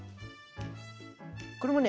これもね